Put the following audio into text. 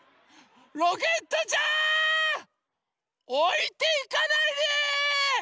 ロケットちゃん！おいていかないで！